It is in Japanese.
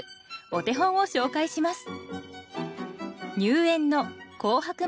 お手本を紹介します。